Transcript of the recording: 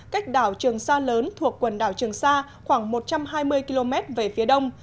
cách đảo trường sa lớn thuộc quần đảo trường sa khoảng một trăm hai mươi km về phía đông